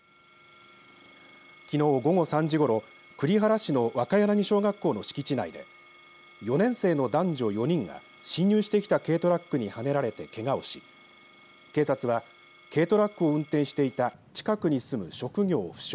きのう午後３時ごろ栗原市の若柳小学校の敷地内で４年生の男女４人が侵入してきた軽トラックにはねられてけがをし警察は軽トラックを運転していた近くに住む職業不詳